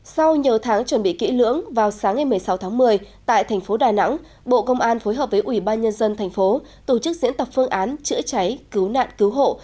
sau nhiều tháng chuẩn bị kỹ lưỡng vào sáng ngày một mươi sáu tháng một mươi tại thành phố đà nẵng bộ công an phối hợp với ủy ban nhân dân thành phố tổ chức diễn tập phương án chữa cháy cứu nạn cứu hộ